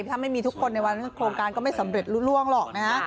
ถ้าไม่มีทุกคนในวันโครงการก็ไม่สำเร็จรู้ล่วงหรอกนะฮะ